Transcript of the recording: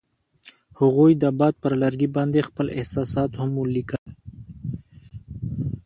هغوی د باد پر لرګي باندې خپل احساسات هم لیکل.